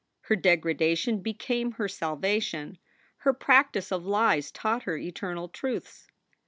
Her degradation became her salvation; her practice of lies taught her eternal truths.